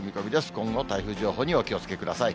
今後の台風情報にお気をつけください。